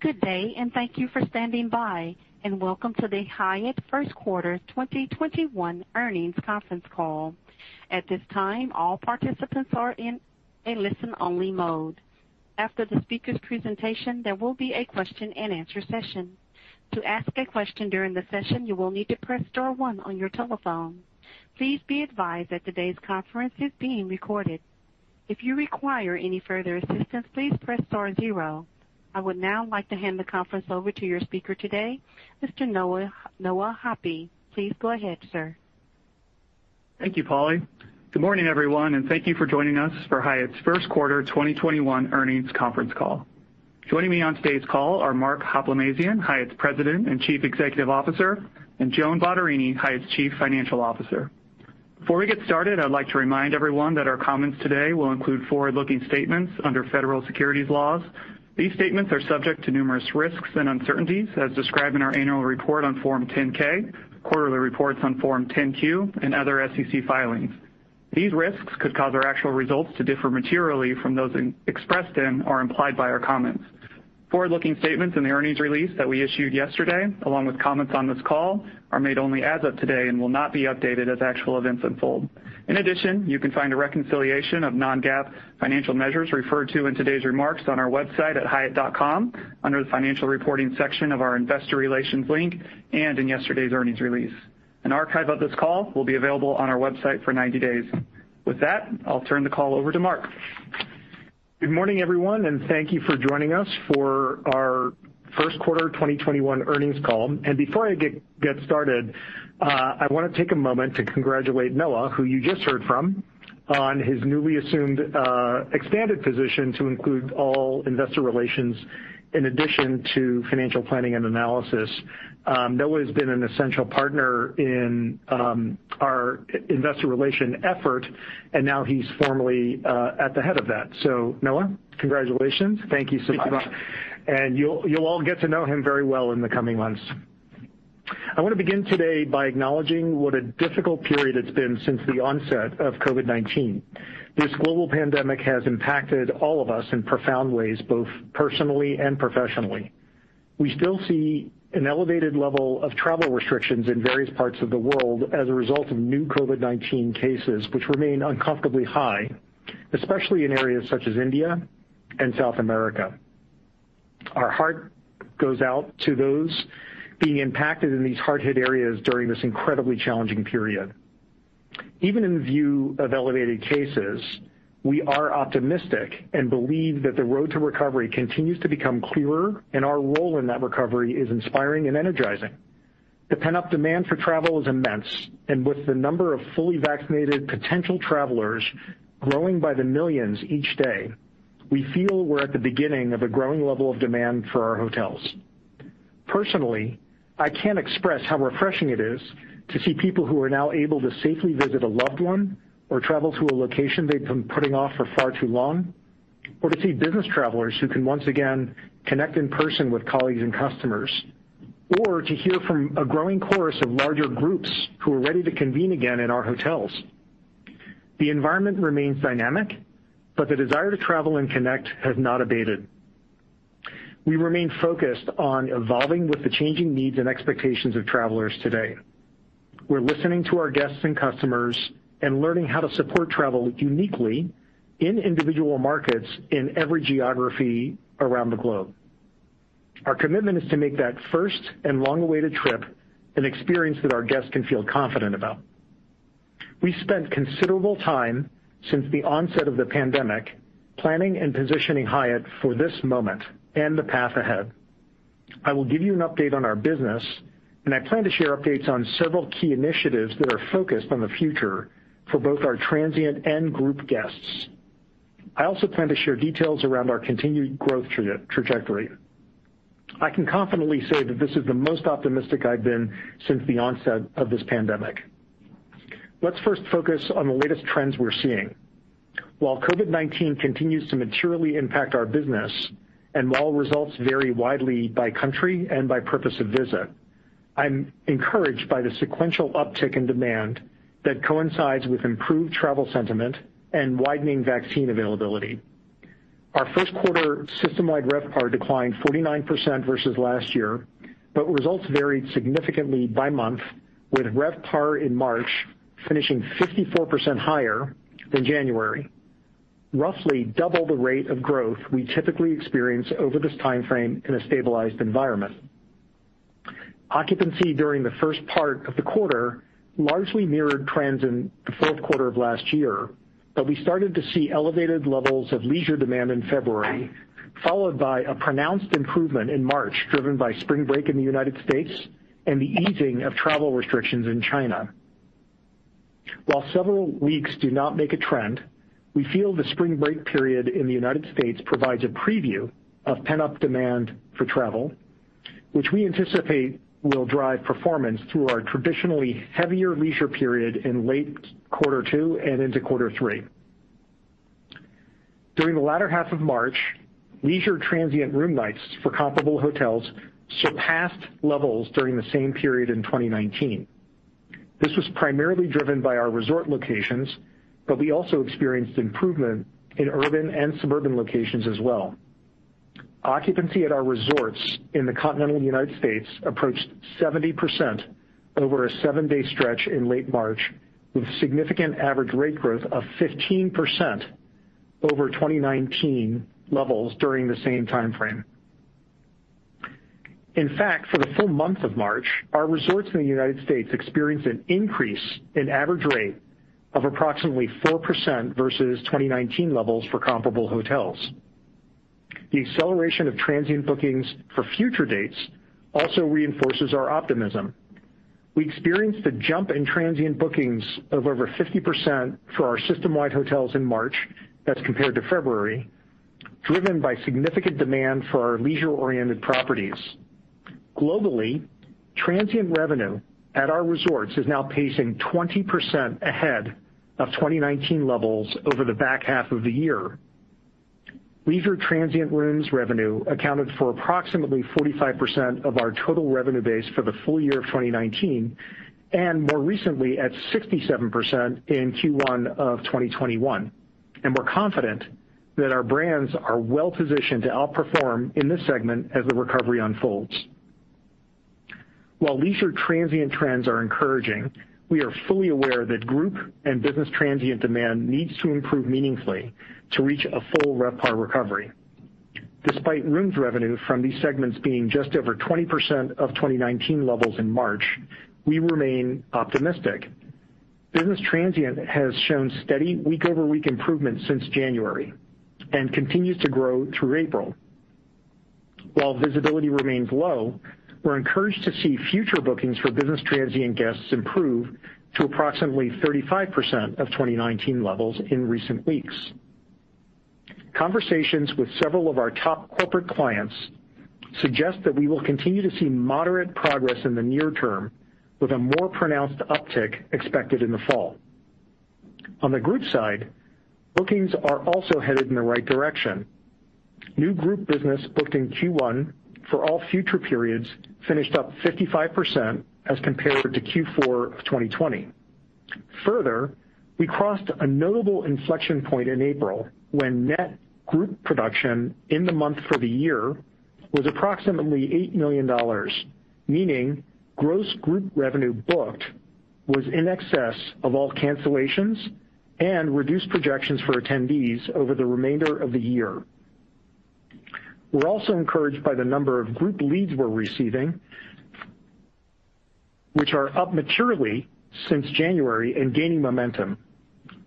Good day, and thank you for standing by, and welcome to the Hyatt first quarter 2021 earnings conference call. At this time, all participants are in a listen-only mode. After the speaker's presentation, there will be a question-and-answer session. To ask a question during the session, you will need to press star one on your telephone. Please be advised that today's conference is being recorded. If you require any further assistance, please press star zero. I would now like to hand the conference over to your speaker today, Mr. Brad O'Bryan. Please go ahead, sir. Thank you, Polly. Good morning, everyone, and thank you for joining us for Hyatt's first quarter 2021 earnings conference call. Joining me on today's call are Mark Hoplamazian, Hyatt's President and Chief Executive Officer, and Joan Bottarini, Hyatt's Chief Financial Officer. Before we get started, I'd like to remind everyone that our comments today will include forward-looking statements under federal securities laws. These statements are subject to numerous risks and uncertainties as described in our annual report on Form 10-K, quarterly reports on Form 10-Q, and other SEC filings. These risks could cause our actual results to differ materially from those expressed in or implied by our comments. Forward-looking statements in the earnings release that we issued yesterday, along with comments on this call, are made only as of today and will not be updated as actual events unfold. In addition, you can find a reconciliation of non-GAAP financial measures referred to in today's remarks on our website at hyatt.com under the Financial Reporting section of our Investor Relations link and in yesterday's earnings release. An archive of this call will be available on our website for 90 days. With that, I'll turn the call over to Mark. Good morning, everyone, and thank you for joining us for our first quarter 2021 earnings call. Before I get started, I want to take a moment to congratulate Brad O'Bryan, who you just heard from, on his newly assumed expanded position to include all Investor Relations in addition to Financial Planning and Analysis. Brad O'Bryan has been an essential partner in our Investor Relations effort. Now he's formally at the head of that. Brad O'Bryan, congratulations. Thank you so much. Thank you, Mark. You'll all get to know him very well in the coming months. I want to begin today by acknowledging what a difficult period it's been since the onset of COVID-19. This global pandemic has impacted all of us in profound ways, both personally and professionally. We still see an elevated level of travel restrictions in various parts of the world as a result of new COVID-19 cases, which remain uncomfortably high, especially in areas such as India and South America. Our heart goes out to those being impacted in these hard-hit areas during this incredibly challenging period. Even in view of elevated cases, we are optimistic and believe that the road to recovery continues to become clearer, and our role in that recovery is inspiring and energizing. The pent-up demand for travel is immense, and with the number of fully vaccinated potential travelers growing by the millions each day, we feel we're at the beginning of a growing level of demand for our hotels. Personally, I can't express how refreshing it is to see people who are now able to safely visit a loved one or travel to a location they've been putting off for far too long, or to see business travelers who can once again connect in person with colleagues and customers, or to hear from a growing chorus of larger groups who are ready to convene again in our hotels. The environment remains dynamic, but the desire to travel and connect has not abated. We remain focused on evolving with the changing needs and expectations of travelers today. We're listening to our guests and customers and learning how to support travel uniquely in individual markets in every geography around the globe. Our commitment is to make that first and long-awaited trip an experience that our guests can feel confident about. We spent considerable time since the onset of the pandemic planning and positioning Hyatt for this moment and the path ahead. I will give you an update on our business. I plan to share updates on several key initiatives that are focused on the future for both our transient and group guests. I also plan to share details around our continued growth trajectory. I can confidently say that this is the most optimistic I've been since the onset of this pandemic. Let's first focus on the latest trends we're seeing. While COVID-19 continues to materially impact our business, and while results vary widely by country and by purpose of visit, I'm encouraged by the sequential uptick in demand that coincides with improved travel sentiment and widening vaccine availability. Our first quarter systemwide RevPAR declined 49% versus last year, but results varied significantly by month, with RevPAR in March finishing 54% higher than January, roughly double the rate of growth we typically experience over this timeframe in a stabilized environment. Occupancy during the first part of the quarter largely mirrored trends in the fourth quarter of last year, but we started to see elevated levels of leisure demand in February, followed by a pronounced improvement in March, driven by spring break in the United States and the easing of travel restrictions in China. While several weeks do not make a trend, we feel the spring break period in the U.S. provides a preview of pent-up demand for travel, which we anticipate will drive performance through our traditionally heavier leisure period in late Q2 and into Q3. During the latter half of March, leisure transient room nights for comparable hotels surpassed levels during the same period in 2019. This was primarily driven by our resort locations, but we also experienced improvement in urban and suburban locations as well. Occupancy at our resorts in the continental U.S. approached 70% over a seven-day stretch in late March, with significant average rate growth of 15% over 2019 levels during the same timeframe. In fact, for the full month of March, our resorts in the U.S. experienced an increase in average rate of approximately 4% versus 2019 levels for comparable hotels. The acceleration of transient bookings for future dates also reinforces our optimism. We experienced a jump in transient bookings of over 50% for our system-wide hotels in March, that's compared to February, driven by significant demand for our leisure-oriented properties. Globally, transient revenue at our resorts is now pacing 20% ahead of 2019 levels over the back half of the year. Leisure transient rooms revenue accounted for approximately 45% of our total revenue base for the full year of 2019, and more recently at 67% in Q1 of 2021, and we're confident that our brands are well-positioned to outperform in this segment as the recovery unfolds. While leisure transient trends are encouraging, we are fully aware that group and business transient demand needs to improve meaningfully to reach a full RevPAR recovery. Despite rooms revenue from these segments being just over 20% of 2019 levels in March, we remain optimistic. Business transient has shown steady week-over-week improvement since January and continues to grow through April. While visibility remains low, we're encouraged to see future bookings for business transient guests improve to approximately 35% of 2019 levels in recent weeks. Conversations with several of our top corporate clients suggest that we will continue to see moderate progress in the near term with a more pronounced uptick expected in the fall. On the group side, bookings are also headed in the right direction. New group business booked in Q1 for all future periods finished up 55% as compared to Q4 of 2020. Further, we crossed a notable inflection point in April when net group production in the month for the year was approximately $8 million, meaning gross group revenue booked was in excess of all cancellations and reduced projections for attendees over the remainder of the year. We're also encouraged by the number of group leads we're receiving, which are up materially since January and gaining momentum.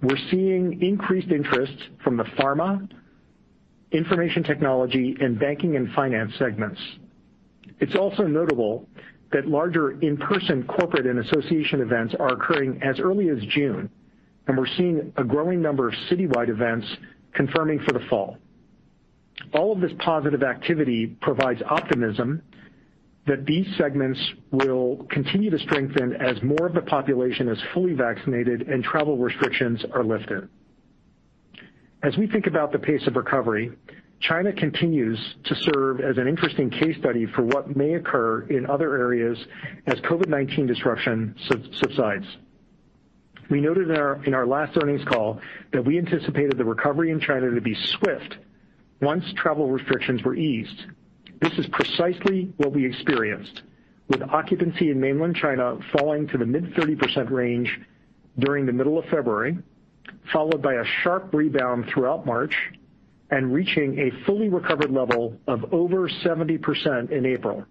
We're seeing increased interest from the pharma, information technology, and banking and finance segments. It's also notable that larger in-person corporate and association events are occurring as early as June, and we're seeing a growing number of citywide events confirming for the fall. All of this positive activity provides optimism that these segments will continue to strengthen as more of the population is fully vaccinated and travel restrictions are lifted. As we think about the pace of recovery, China continues to serve as an interesting case study for what may occur in other areas as COVID-19 disruption subsides. We noted in our last earnings call that we anticipated the recovery in China to be swift once travel restrictions were eased. This is precisely what we experienced, with occupancy in mainland China falling to the mid-30% range during the middle of February, followed by a sharp rebound throughout March and reaching a fully recovered level of over 70% in April.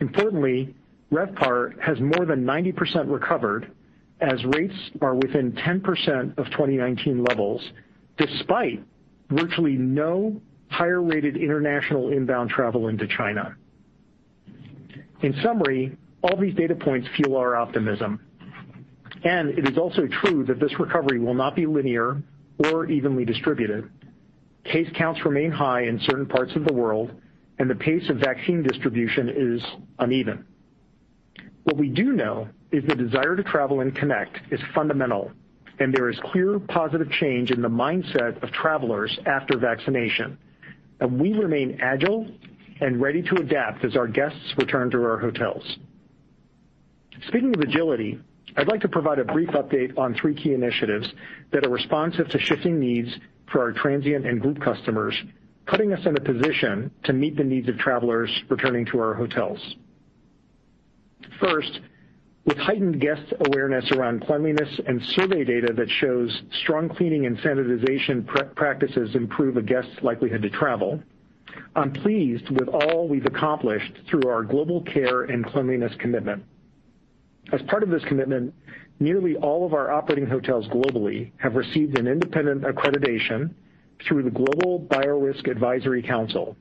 Importantly, RevPAR has more than 90% recovered as rates are within 10% of 2019 levels, despite virtually no higher-rated international inbound travel into China. In summary, all these data points fuel our optimism, and it is also true that this recovery will not be linear or evenly distributed. Case counts remain high in certain parts of the world, and the pace of vaccine distribution is uneven. What we do know is the desire to travel and connect is fundamental, and there is clear positive change in the mindset of travelers after vaccination, and we remain agile and ready to adapt as our guests return to our hotels. Speaking of agility, I'd like to provide a brief update on three key initiatives that are responsive to shifting needs for our transient and group customers, putting us in a position to meet the needs of travelers returning to our hotels. First, with heightened guest awareness around cleanliness and survey data that shows strong cleaning and sanitization practices improve a guest's likelihood to travel, I'm pleased with all we've accomplished through our Global Care and Cleanliness Commitment. As part of this commitment, nearly all of our operating hotels globally have received an independent accreditation through the Global Biorisk Advisory Council,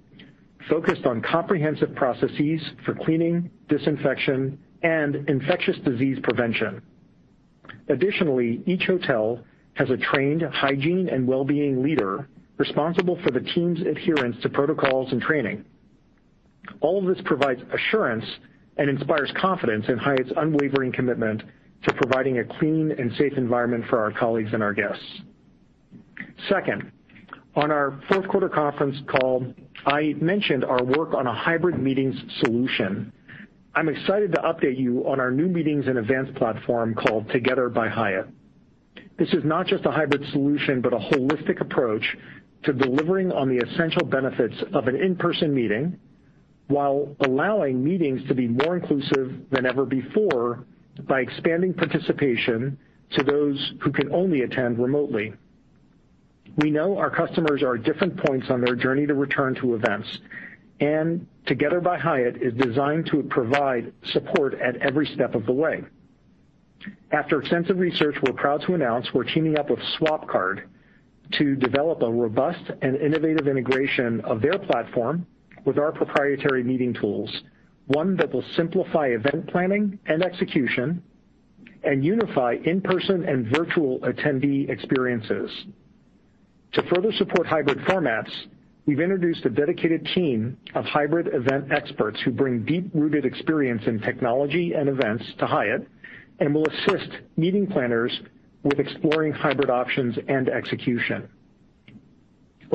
focused on comprehensive processes for cleaning, disinfection, and infectious disease prevention. Additionally, each hotel has a trained hygiene and well-being leader responsible for the team's adherence to protocols and training. All of this provides assurance and inspires confidence in Hyatt's unwavering commitment to providing a clean and safe environment for our colleagues and our guests. Second, on our fourth quarter conference call, I mentioned our work on a hybrid meetings solution. I'm excited to update you on our new meetings and events platform called Together by Hyatt. This is not just a hybrid solution, but a holistic approach to delivering on the essential benefits of an in-person meeting while allowing meetings to be more inclusive than ever before by expanding participation to those who can only attend remotely. We know our customers are at different points on their journey to return to events, and Together by Hyatt is designed to provide support at every step of the way. After extensive research, we're proud to announce we're teaming up with Swapcard to develop a robust and innovative integration of their platform with our proprietary meeting tools, one that will simplify event planning and execution and unify in-person and virtual attendee experiences. To further support hybrid formats, we've introduced a dedicated team of hybrid event experts who bring deep-rooted experience in technology and events to Hyatt and will assist meeting planners with exploring hybrid options and execution.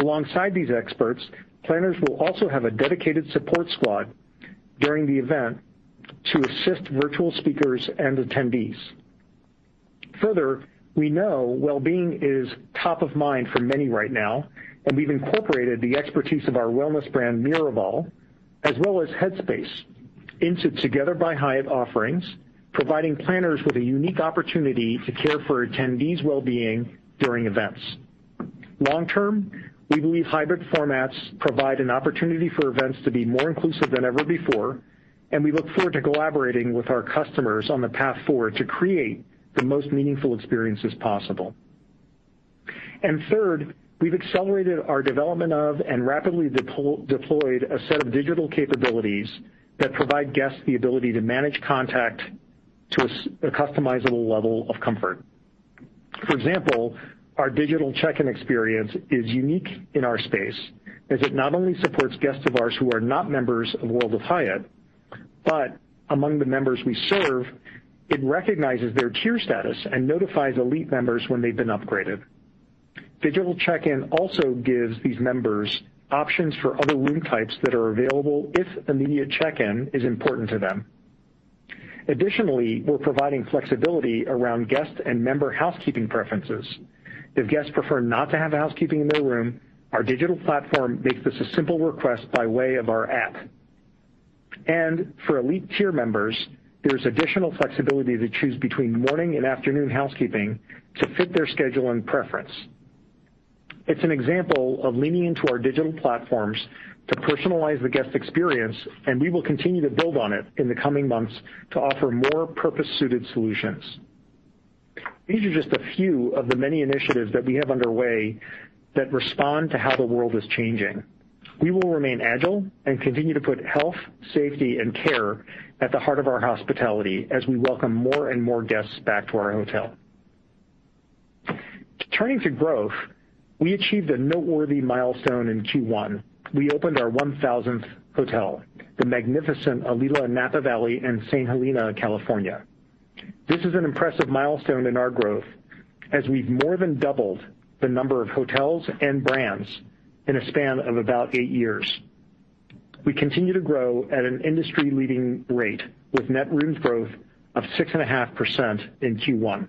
Alongside these experts, planners will also have a dedicated support squad during the event to assist virtual speakers and attendees. Further, we know well-being is top of mind for many right now, and we've incorporated the expertise of our wellness brand, Miraval, as well as Headspace into Together by Hyatt offerings, providing planners with a unique opportunity to care for attendees' well-being during events. Long-term, we believe hybrid formats provide an opportunity for events to be more inclusive than ever before, and we look forward to collaborating with our customers on the path forward to create the most meaningful experiences possible. Third, we've accelerated our development of and rapidly deployed a set of digital capabilities that provide guests the ability to manage contact to a customizable level of comfort. For example, our digital check-in experience is unique in our space as it not only supports guests of ours who are not members of World of Hyatt, but among the members we serve, it recognizes their tier status and notifies elite members when they've been upgraded. Digital check-in also gives these members options for other room types that are available if immediate check-in is important to them. Additionally, we're providing flexibility around guest and member housekeeping preferences. If guests prefer not to have housekeeping in their room, our digital platform makes this a simple request by way of our app. For elite tier members, there's additional flexibility to choose between morning and afternoon housekeeping to fit their schedule and preference. It's an example of leaning into our digital platforms to personalize the guest experience, and we will continue to build on it in the coming months to offer more purpose-suited solutions. These are just a few of the many initiatives that we have underway that respond to how the world is changing. We will remain agile and continue to put health, safety, and care at the heart of our hospitality as we welcome more and more guests back to our hotel. Turning to growth, we achieved a noteworthy milestone in Q1. We opened our 1,000th hotel, the magnificent Alila Napa Valley in St. Helena, California. This is an impressive milestone in our growth as we've more than doubled the number of hotels and brands in a span of about eight years. We continue to grow at an industry-leading rate with net rooms growth of 6.5% in Q1.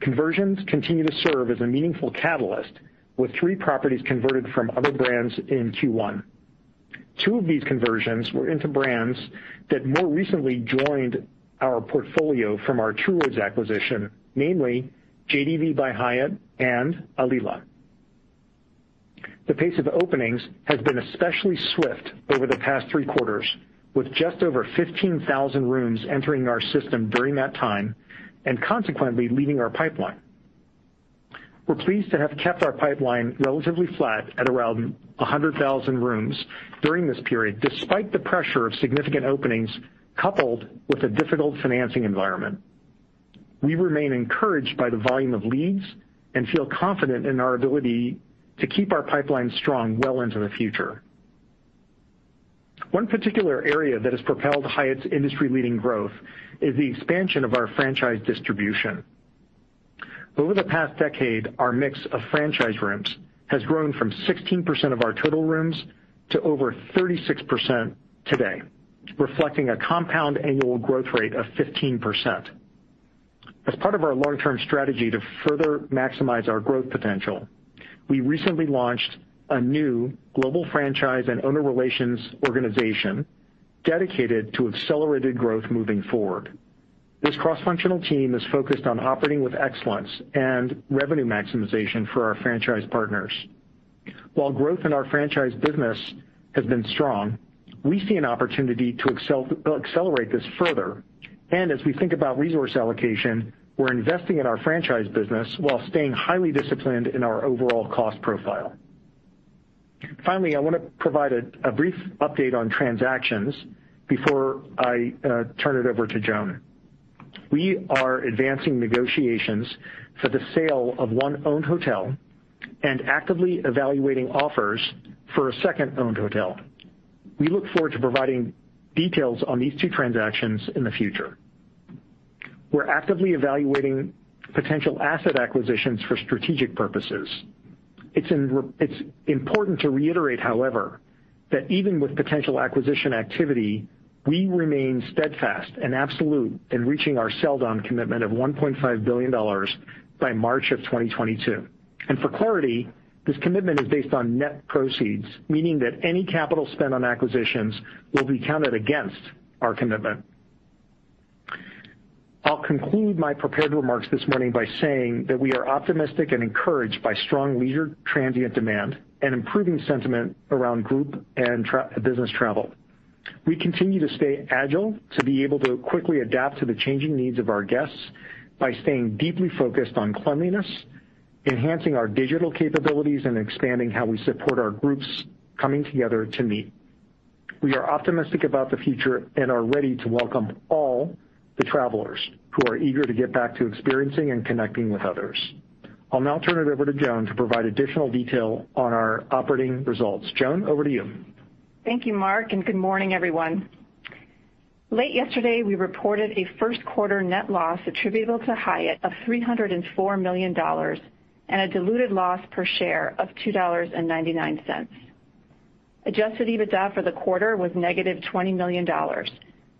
Conversions continue to serve as a meaningful catalyst with three properties converted from other brands in Q1. Two of these conversions were into brands that more recently joined our portfolio from our Two Roads acquisition, namely JdV by Hyatt and Alila. The pace of openings has been especially swift over the past three quarters, with just over 15,000 rooms entering our system during that time and consequently leaving our pipeline. We're pleased to have kept our pipeline relatively flat at around 100,000 rooms during this period, despite the pressure of significant openings coupled with a difficult financing environment. We remain encouraged by the volume of leads and feel confident in our ability to keep our pipeline strong well into the future. One particular area that has propelled Hyatt's industry-leading growth is the expansion of our franchise distribution. Over the past decade, our mix of franchise rooms has grown from 16% of our total rooms to over 36% today, reflecting a compound annual growth rate of 15%. As part of our long-term strategy to further maximize our growth potential, we recently launched a new global franchise and owner relations organization dedicated to accelerated growth moving forward. This cross-functional team is focused on operating with excellence and revenue maximization for our franchise partners. While growth in our franchise business has been strong, we see an opportunity to accelerate this further, and as we think about resource allocation, we're investing in our franchise business while staying highly disciplined in our overall cost profile. Finally, I want to provide a brief update on transactions before I turn it over to Joan. We are advancing negotiations for the sale of one owned hotel and actively evaluating offers for a second owned hotel. We look forward to providing details on these two transactions in the future. We're actively evaluating potential asset acquisitions for strategic purposes. It's important to reiterate, however, that even with potential acquisition activity, we remain steadfast and absolute in reaching our sell down commitment of $1.5 billion by March of 2022. For clarity, this commitment is based on net proceeds, meaning that any capital spent on acquisitions will be counted against our commitment. I'll conclude my prepared remarks this morning by saying that we are optimistic and encouraged by strong leisure transient demand and improving sentiment around group and business travel. We continue to stay agile to be able to quickly adapt to the changing needs of our guests by staying deeply focused on cleanliness, enhancing our digital capabilities, and expanding how we support our groups coming together to meet. We are optimistic about the future and are ready to welcome all the travelers who are eager to get back to experiencing and connecting with others. I'll now turn it over to Joan to provide additional detail on our operating results. Joan, over to you. Thank you, Mark, and good morning, everyone. Late yesterday, we reported a first quarter net loss attributable to Hyatt of $304 million and a diluted loss per share of $2.99. Adjusted EBITDA for the quarter was negative $20 million,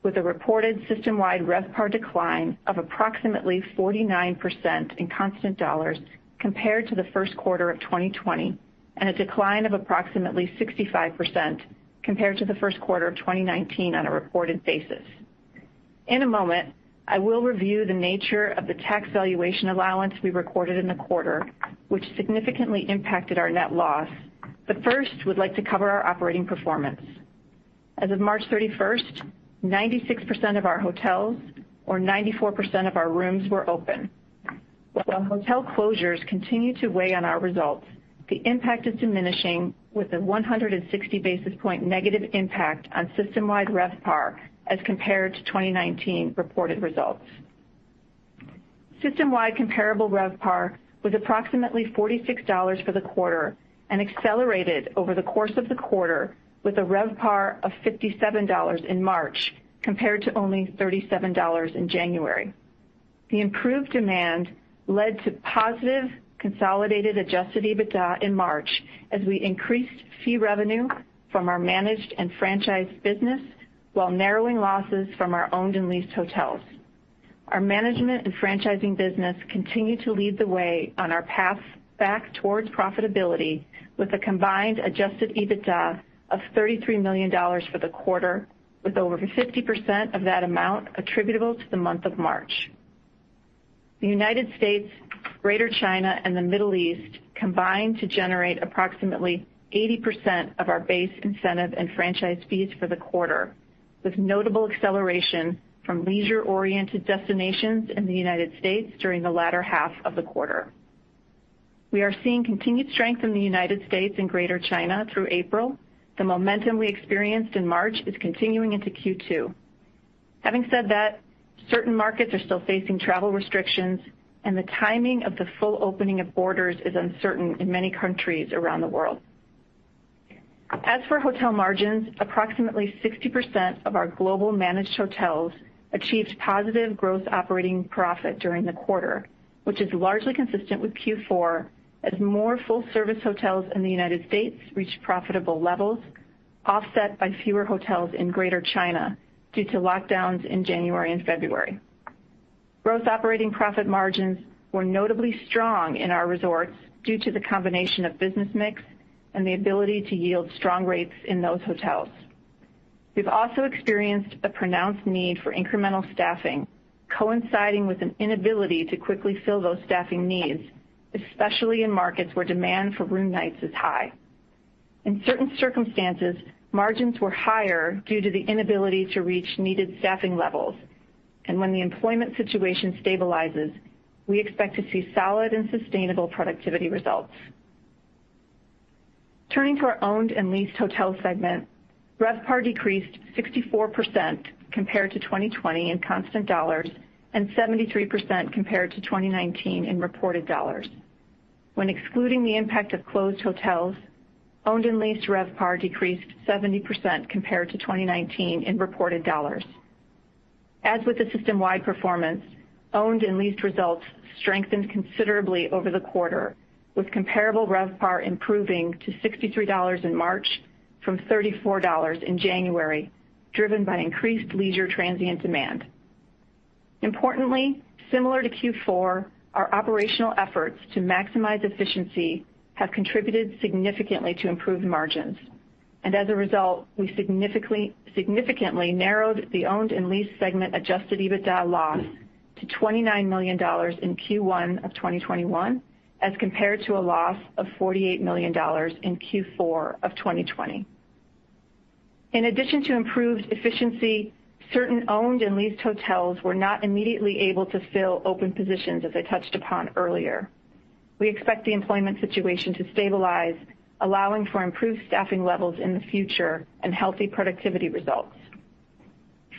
with a reported system-wide RevPAR decline of approximately 49% in constant dollars compared to the first quarter of 2020, and a decline of approximately 65% compared to the first quarter of 2019 on a reported basis. In a moment, I will review the nature of the tax valuation allowance we recorded in the quarter, which significantly impacted our net loss, but first, we'd like to cover our operating performance. As of March 31st, 96% of our hotels or 94% of our rooms were open. While hotel closures continue to weigh on our results, the impact is diminishing with a 160 basis point negative impact on system-wide RevPAR as compared to 2019 reported results. System-wide comparable RevPAR was approximately $46 for the quarter and accelerated over the course of the quarter with a RevPAR of $57 in March, compared to only $37 in January. The improved demand led to positive consolidated adjusted EBITDA in March as we increased fee revenue from our managed and franchised business while narrowing losses from our owned and leased hotels. Our management and franchising business continued to lead the way on our path back towards profitability with a combined adjusted EBITDA of $33 million for the quarter, with over 50% of that amount attributable to the month of March. The United States, Greater China, and the Middle East combined to generate approximately 80% of our base incentive and franchise fees for the quarter, with notable acceleration from leisure-oriented destinations in the United States during the latter half of the quarter. We are seeing continued strength in the United States and Greater China through April. The momentum we experienced in March is continuing into Q2. Having said that, certain markets are still facing travel restrictions, and the timing of the full opening of borders is uncertain in many countries around the world. As for hotel margins, approximately 60% of our global managed hotels achieved positive gro operating profit during the quarter, which is largely consistent with Q4 as more full-service hotels in the United States reached profitable levels, offset by fewer hotels in Greater China due to lockdowns in January and February. Gross operating profit margins were notably strong in our resorts due to the combination of business mix and the ability to yield strong rates in those hotels. We've also experienced a pronounced need for incremental staffing, coinciding with an inability to quickly fill those staffing needs, especially in markets where demand for room nights is high. In certain circumstances, margins were higher due to the inability to reach needed staffing levels. When the employment situation stabilizes, we expect to see solid and sustainable productivity results. Turning to our owned and leased hotel segment, RevPAR decreased 64% compared to 2020 in constant dollars and 73% compared to 2019 in reported dollars. When excluding the impact of closed hotels, owned and leased RevPAR decreased 70% compared to 2019 in reported dollars. As with the system-wide performance, owned and leased results strengthened considerably over the quarter, with comparable RevPAR improving to $63 in March from $34 in January, driven by increased leisure transient demand. Importantly, similar to Q4, our operational efforts to maximize efficiency have contributed significantly to improved margins, and as a result, we significantly narrowed the owned and leased segment adjusted EBITDA loss to $29 million in Q1 of 2021 as compared to a loss of $48 million in Q4 of 2020. In addition to improved efficiency, certain owned and leased hotels were not immediately able to fill open positions, as I touched upon earlier. We expect the employment situation to stabilize, allowing for improved staffing levels in the future and healthy productivity results.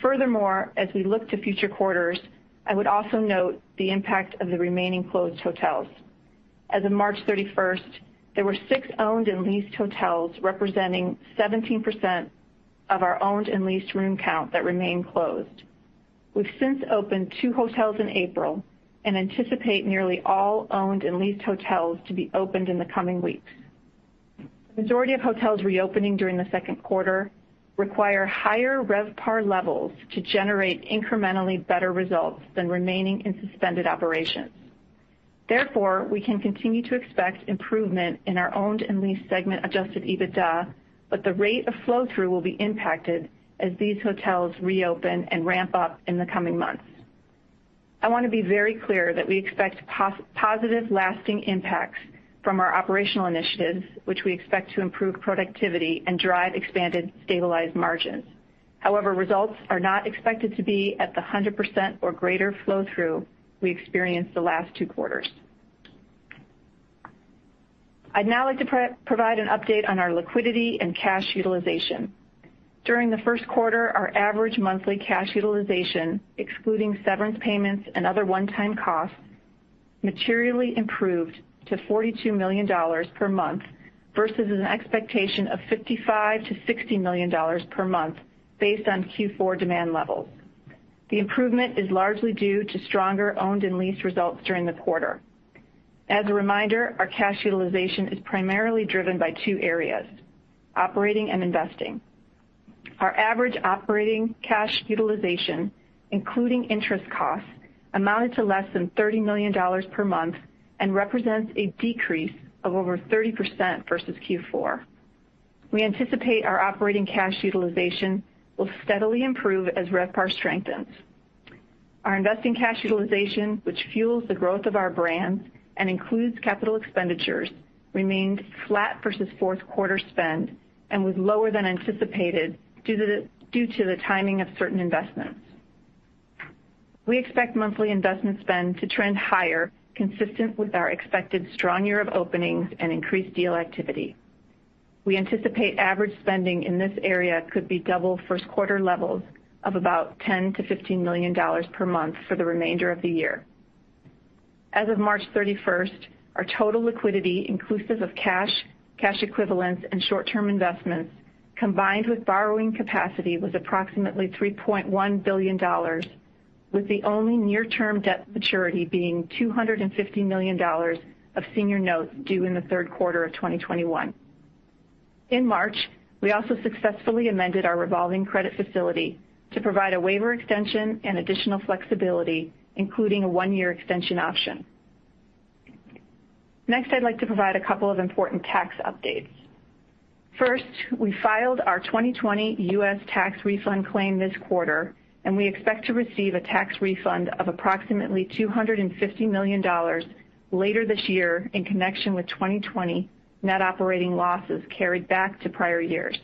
Furthermore, as we look to future quarters, I would also note the impact of the remaining closed hotels. As of March 31st, there were six owned and leased hotels representing 17% of our owned and leased room count that remain closed. We've since opened two hotels in April and anticipate nearly all owned and leased hotels to be opened in the coming weeks. Majority of hotels reopening during the second quarter require higher RevPAR levels to generate incrementally better results than remaining in suspended operations. Therefore, we can continue to expect improvement in our owned and leased segment adjusted EBITDA, but the rate of flow-through will be impacted as these hotels reopen and ramp up in the coming months. I want to be very clear that we expect positive lasting impacts from our operational initiatives, which we expect to improve productivity and drive expanded, stabilized margins. Results are not expected to be at the 100% or greater flow-through we experienced the last two quarters. I'd now like to provide an update on our liquidity and cash utilization. During the first quarter, our average monthly cash utilization, excluding severance payments and other one-time costs, materially improved to $42 million per month versus an expectation of $55 million-$60 million per month based on Q4 demand levels. The improvement is largely due to stronger owned and leased results during the quarter. As a reminder, our cash utilization is primarily driven by two areas, operating and investing. Our average operating cash utilization, including interest costs, amounted to less than $30 million per month and represents a decrease of over 30% versus Q4. We anticipate our operating cash utilization will steadily improve as RevPAR strengthens. Our investing cash utilization, which fuels the growth of our brands and includes capital expenditures, remained flat versus fourth quarter spend and was lower than anticipated due to the timing of certain investments. We expect monthly investment spend to trend higher consistent with our expected strong year of openings and increased deal activity. We anticipate average spending in this area could be double first quarter levels of about $10 million-$15 million per month for the remainder of the year. As of March 31st, our total liquidity, inclusive of cash equivalents, and short-term investments, combined with borrowing capacity, was approximately $3.1 billion, with the only near-term debt maturity being $250 million of senior notes due in the third quarter of 2021. In March, we also successfully amended our revolving credit facility to provide a waiver extension and additional flexibility, including a one-year extension option. Next, I'd like to provide a couple of important tax updates. First, we filed our 2020 U.S. tax refund claim this quarter, and we expect to receive a tax refund of approximately $250 million later this year in connection with 2020 net operating losses carried back to prior years.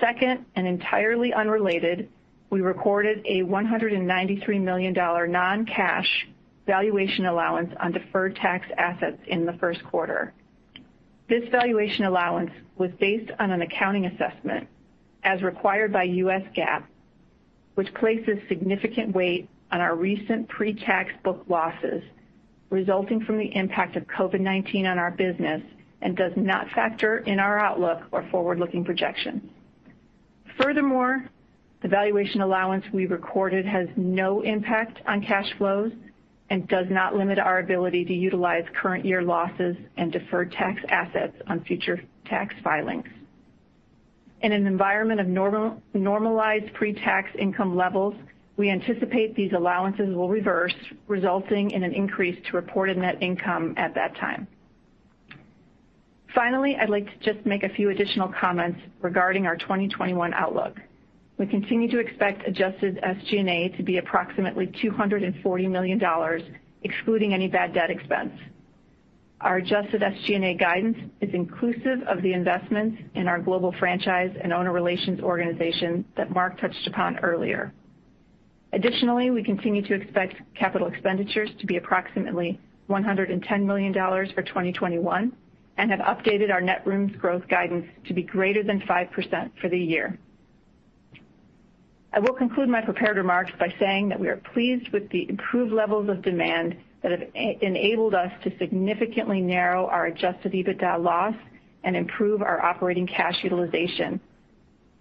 Second, and entirely unrelated, we recorded a $193 million non-cash valuation allowance on deferred tax assets in the first quarter. This valuation allowance was based on an accounting assessment as required by U.S. GAAP, which places significant weight on our recent pre-tax book losses resulting from the impact of COVID-19 on our business and does not factor in our outlook or forward-looking projections. Furthermore, the valuation allowance we recorded has no impact on cash flows and does not limit our ability to utilize current year losses and deferred tax assets on future tax filings. In an environment of normalized pre-tax income levels, we anticipate these allowances will reverse, resulting in an increase to reported net income at that time. Finally, I'd like to just make a few additional comments regarding our 2021 outlook. We continue to expect adjusted SG&A to be approximately $240 million, excluding any bad debt expense. Our adjusted SG&A guidance is inclusive of the investments in our global franchise and owner relations organization that Mark touched upon earlier. Additionally, we continue to expect capital expenditures to be approximately $110 million for 2021 and have updated our net rooms growth guidance to be greater than 5% for the year. I will conclude my prepared remarks by saying that we are pleased with the improved levels of demand that have enabled us to significantly narrow our adjusted EBITDA loss and improve our operating cash utilization.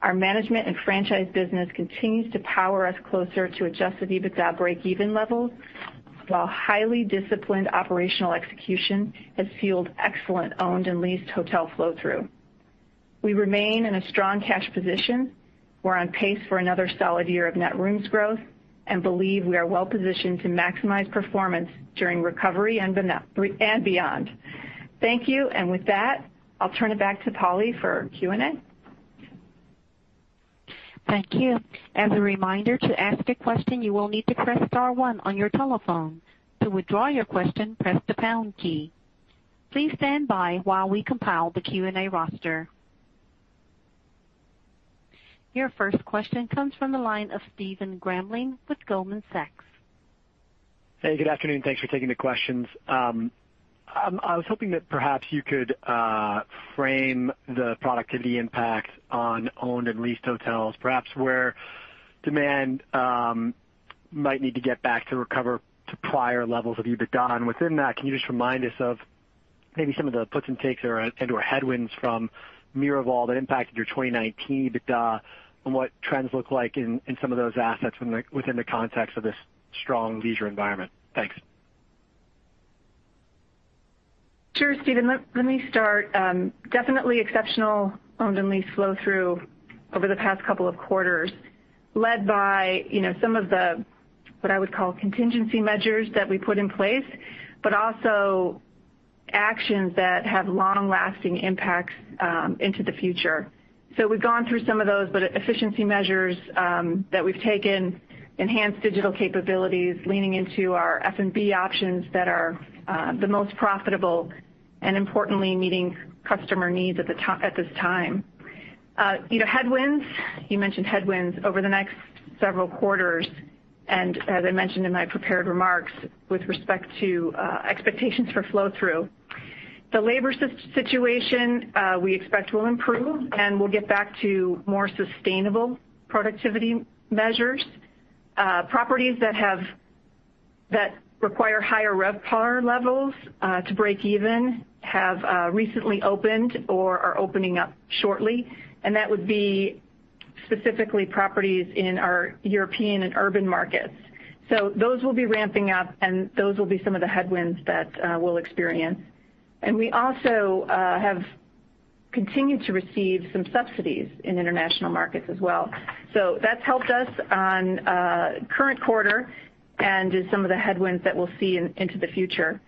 Our management and franchise business continues to power us closer to adjusted EBITDA breakeven levels, while highly disciplined operational execution has fueled excellent owned and leased hotel flow-through. We remain in a strong cash position. We're on pace for another solid year of net rooms growth and believe we are well positioned to maximize performance during recovery and beyond. Thank you, and with that, I'll turn it back to Polly for Q&A. Thank you. As a reminder, to ask a question, you will need to press star one on your telephone. To withdraw your question, press the pound key. Please stand by while we compile the Q&A roster. Your first question comes from the line of Stephen Grambling with Goldman Sachs. Hey, good afternoon. Thanks for taking the questions. I was hoping that perhaps you could frame the productivity impact on owned and leased hotels, perhaps where demand might need to get back to recover to prior levels of EBITDA. Within that, can you just remind us of maybe some of the puts and takes or headwinds from Miraval that impacted your 2019 EBITDA, and what trends look like in some of those assets within the context of this strong leisure environment? Thanks. Sure, Stephen. Let me start. Definitely exceptional owned and leased flow-through over the past couple of quarters, led by some of the, what I would call contingency measures that we put in place, also actions that have long-lasting impacts into the future. We've gone through some of those, but efficiency measures that we've taken, enhanced digital capabilities, leaning into our F&B options that are the most profitable, and importantly, meeting customer needs at this time. Headwinds, you mentioned headwinds over the next several quarters, as I mentioned in my prepared remarks with respect to expectations for flow-through. The labor situation we expect will improve, we'll get back to more sustainable productivity measures. Properties that require higher RevPAR levels to break even have recently opened or are opening up shortly, that would be specifically properties in our European and urban markets. Those will be ramping up, and those will be some of the headwinds that we'll experience. We also have continued to receive some subsidies in international markets as well. That's helped us on current quarter and in some of the headwinds that we'll see into the future.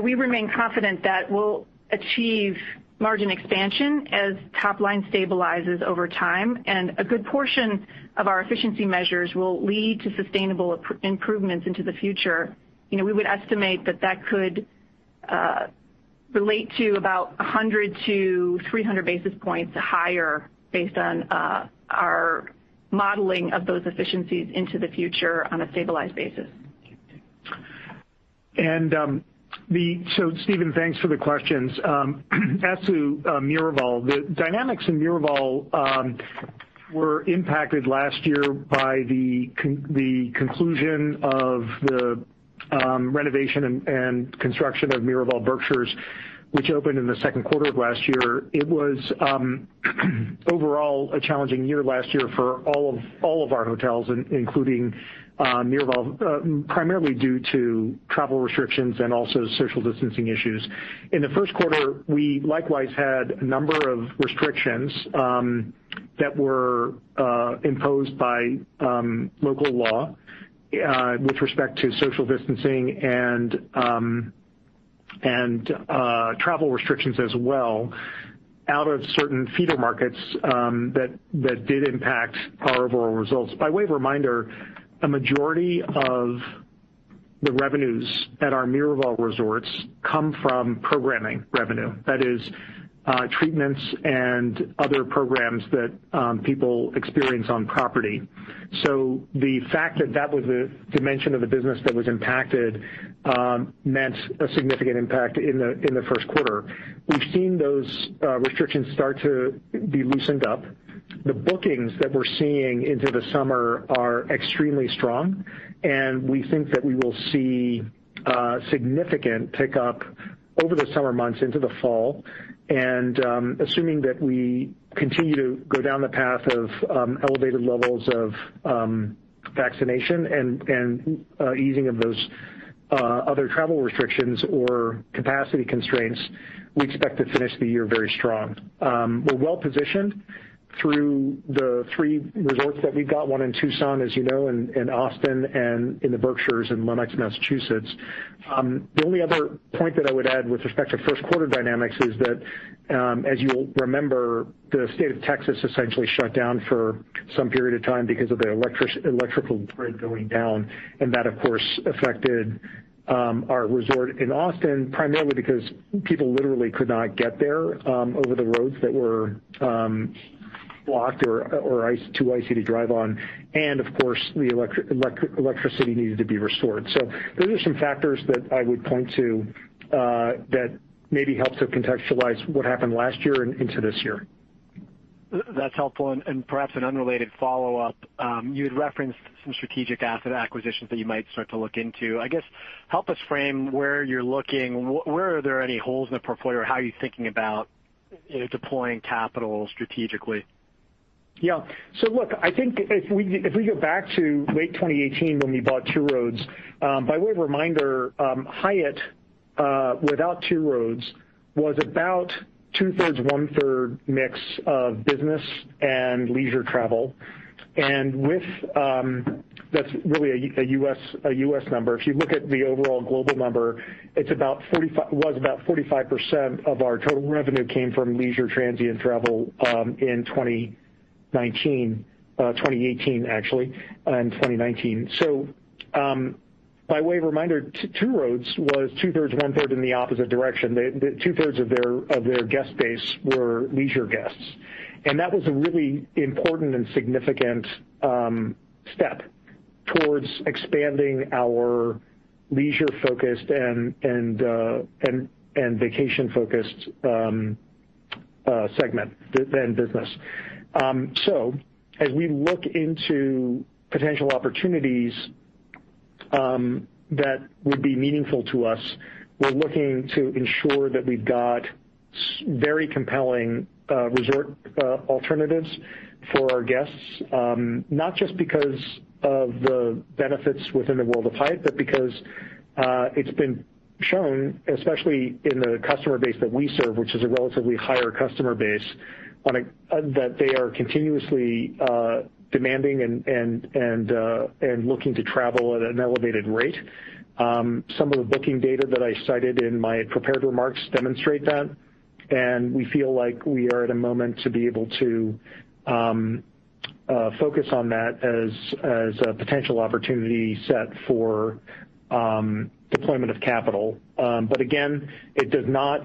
We remain confident that we'll achieve margin expansion as top line stabilizes over time, and a good portion of our efficiency measures will lead to sustainable improvements into the future. We would estimate that that could relate to about 100-300 basis points higher based on our modeling of those efficiencies into the future on a stabilized basis. Stephen, thanks for the questions. As to Miraval, the dynamics in Miraval were impacted last year by the conclusion of the renovation and construction of Miraval Berkshires, which opened in the second quarter of last year. It was overall a challenging year last year for all of our hotels, including Miraval, primarily due to travel restrictions and also social distancing issues. In the first quarter, we likewise had a number of restrictions that were imposed by local law with respect to social distancing and travel restrictions as well out of certain feeder markets that did impact our overall results. By way of reminder, a majority of the revenues at our Miraval resorts come from programming revenue. That is, treatments and other programs that people experience on property. The fact that that was a dimension of the business that was impacted meant a significant impact in the first quarter. We've seen those restrictions start to be loosened up. The bookings that we're seeing into the summer are extremely strong, and we think that we will see a significant pickup over the summer months into the fall. Assuming that we continue to go down the path of elevated levels of vaccination and easing of those other travel restrictions or capacity constraints, we expect to finish the year very strong. We're well-positioned through the three resorts that we've got, one in Tucson, as you know, and Austin, and in the Berkshires in Lenox, Massachusetts. The only other point that I would add with respect to first quarter dynamics is that, as you'll remember, the state of Texas essentially shut down for some period of time because of the electrical grid going down. That, of course, affected our resort in Austin, primarily because people literally could not get there over the roads that were blocked or too icy to drive on. Of course, the electricity needed to be restored. Those are some factors that I would point to that maybe help to contextualize what happened last year and into this year. That's helpful, and perhaps an unrelated follow-up. You had referenced some strategic asset acquisitions that you might start to look into. I guess, help us frame where you're looking. Where are there any holes in the portfolio? How are you thinking about deploying capital strategically? Yeah. Look, I think if we go back to late 2018 when we bought Two Roads, by way of reminder, Hyatt, without Two Roads, was about two-thirds, one-third mix of business and leisure travel. That's really a U.S. number. If you look at the overall global number, it was about 45% of our total revenue came from leisure transient travel in 2019, 2018 actually, and 2019. By way of reminder, Two Roads was two-thirds, one-third in the opposite direction. Two-thirds of their guest base were leisure guests. That was a really important and significant step towards expanding our leisure-focused and vacation-focused segment and business. As we look into potential opportunities that would be meaningful to us, we're looking to ensure that we've got very compelling resort alternatives for our guests. Not just because of the benefits within the World of Hyatt, but because it's been shown, especially in the customer base that we serve, which is a relatively higher customer base, that they are continuously demanding and looking to travel at an elevated rate. Some of the booking data that I cited in my prepared remarks demonstrate that, and we feel like we are at a moment to be able to focus on that as a potential opportunity set for deployment of capital. But again, it does not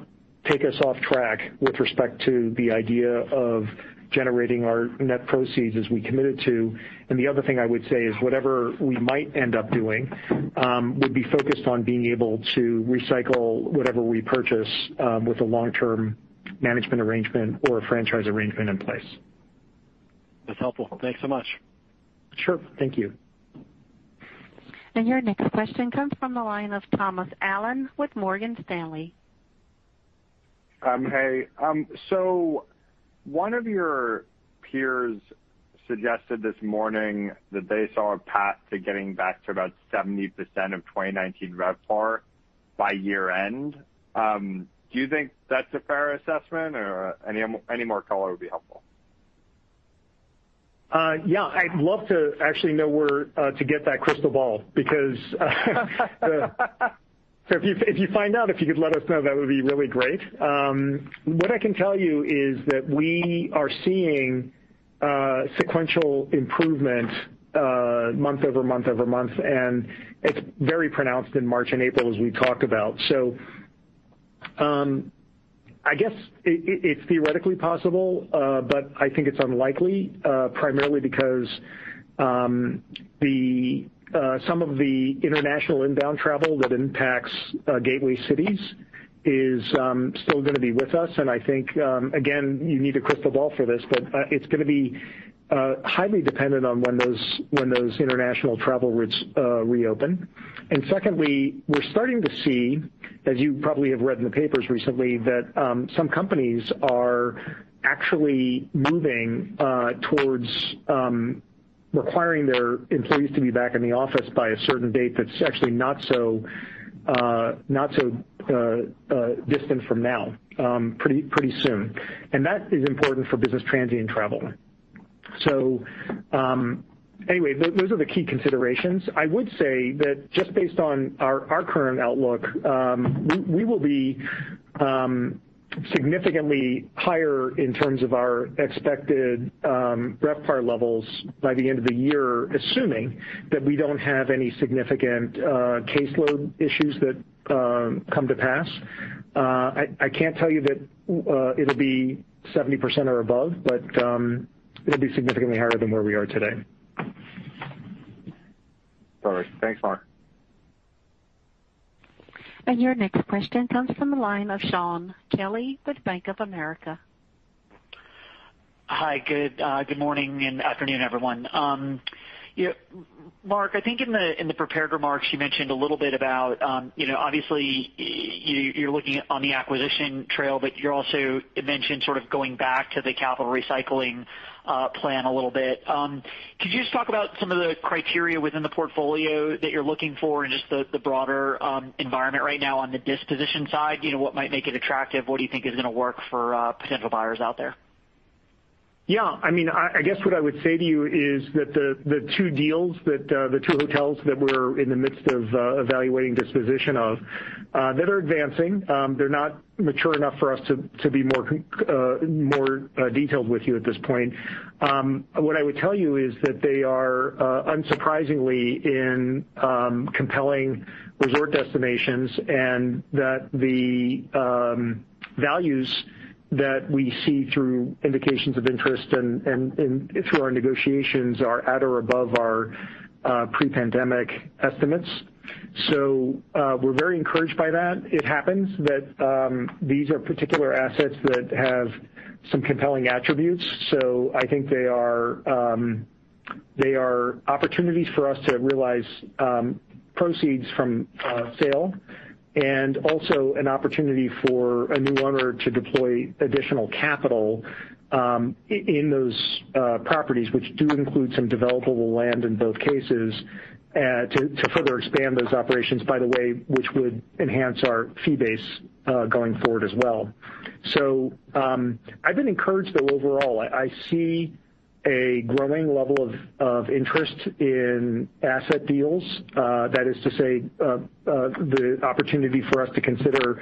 take us off track with respect to the idea of generating our net proceeds as we committed to. And the other thing I would say is whatever we might end up doing would be focused on being able to recycle whatever we purchase with a long-term management arrangement or a franchise arrangement in place. That's helpful. Thanks so much. Sure. Thank you. Your next question comes from the line of Thomas Allen with Morgan Stanley. Hey. One of your peers suggested this morning that they saw a path to getting back to about 70% of 2019 RevPAR by year-end. Do you think that's a fair assessment? Any more color would be helpful. Yeah, I'd love to actually know where to get that crystal ball. If you find out, if you could let us know, that would be really great. What I can tell you is that we are seeing sequential improvement month over month over month, it's very pronounced in March and April as we talk about. I guess it's theoretically possible, but I think it's unlikely, primarily because some of the international inbound travel that impacts gateway cities is still going to be with us. I think, again, you need a crystal ball for this, but it's going to be highly dependent on when those international travel routes reopen. Secondly, we're starting to see, as you probably have read in the papers recently, that some companies are actually moving towards requiring their employees to be back in the office by a certain date that's actually not so distant from now. Pretty soon. That is important for business transient travel. Anyway, those are the key considerations. I would say that just based on our current outlook, we will be significantly higher in terms of our expected RevPAR levels by the end of the year, assuming that we don't have any significant caseload issues that come to pass. I can't tell you that it'll be 70% or above, but it'll be significantly higher than where we are today. All right. Thanks, Mark. Your next question comes from the line of Shaun Kelley with Bank of America. Hi, good morning and afternoon, everyone. Mark, I think in the prepared remarks you mentioned a little bit about, obviously you're looking on the acquisition trail, but you also mentioned sort of going back to the capital recycling plan a little bit. Could you just talk about some of the criteria within the portfolio that you're looking for and just the broader environment right now on the disposition side? What might make it attractive? What do you think is going to work for potential buyers out there? I guess what I would say to you is that the two hotels that we're in the midst of evaluating disposition of, that are advancing. They're not mature enough for us to be more detailed with you at this point. What I would tell you is that they are unsurprisingly in compelling resort destinations and that the values that we see through indications of interest and through our negotiations are at or above our pre-pandemic estimates. We're very encouraged by that. It happens that these are particular assets that have some compelling attributes, so I think they are opportunities for us to realize proceeds from sale and also an opportunity for a new owner to deploy additional capital in those properties, which do include some developable land in both cases to further expand those operations by the way, which would enhance our fee base going forward as well. I've been encouraged though overall. I see a growing level of interest in asset deals. That is to say, the opportunity for us to consider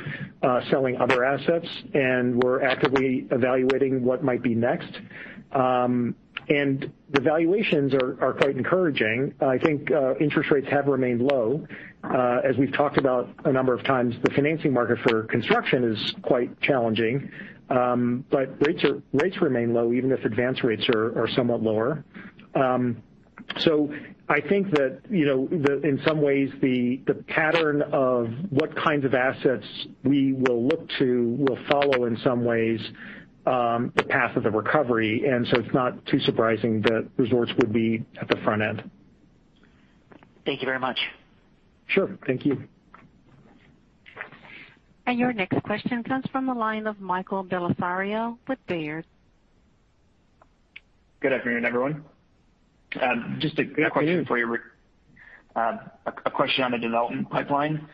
selling other assets and we're actively evaluating what might be next. The valuations are quite encouraging. I think interest rates have remained low. As we've talked about a number of times, the financing market for construction is quite challenging. Rates remain low even if advance rates are somewhat lower. I think that, in some ways, the pattern of what kinds of assets we will look to will follow in some ways, the path of the recovery. It's not too surprising that resorts would be at the front end. Thank you very much. Sure. Thank you. Your next question comes from the line of Michael Bellisario with Baird. Good afternoon, everyone. Good afternoon. Just a question for you, a question on the development pipeline.